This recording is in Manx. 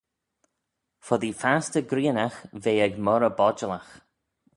Foddee fastyr grianagh ve ec moghrey bodjalagh